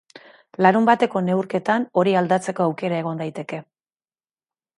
Larunbateko neurketan hori aldatzeko aukera egon daiteke.